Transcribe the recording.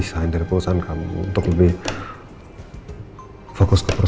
silahkan mbak mbak